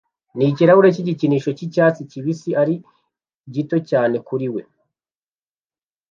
nikirahure cy igikinisho cyicyatsi kibisi ari gito cyane kuri we